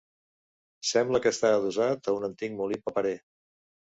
Sembla que està adossat a un antic molí paperer.